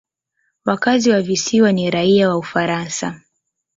Wakazi wa visiwa ni raia wa Ufaransa.